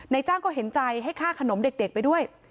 จ้างก็เห็นใจให้ค่าขนมเด็กไปด้วย